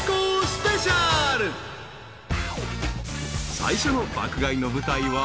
［最初の爆買いの舞台は］